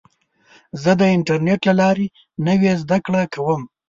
زه د انټرنیټ له لارې نوې زده کړه کوم.